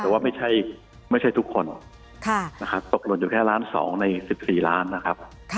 แต่ว่าไม่ใช่ทุกคนนะครับตกหล่นอยู่แค่ล้าน๒ใน๑๔ล้านนะครับ